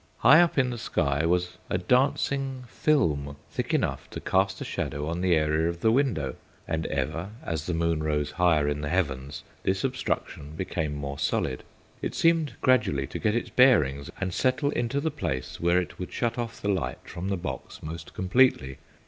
High up in the sky was a dancing film, thick enough to cast a shadow on the area of the window; and ever, as the moon rode higher in the heavens, this obstruction became more solid. It seemed gradually to get its bearings and settle into the place where it would shut off the light from the box most completely.